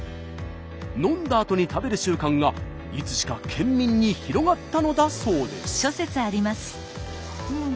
飲んだあとに食べる習慣がいつしか県民に広がったのだそうです。